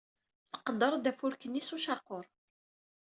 Tqedder-d afurk-nni s ucaqur.